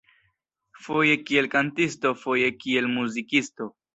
Foje kiel kantisto foje kiel muzikisto.